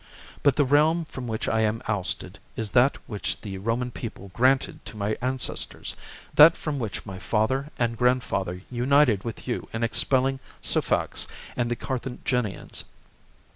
But the realm from which I am ousted is that which the Roman people granted to my an cestors, that from which my father and grandfather united with you in expelling Sufax and the Cartha ginians.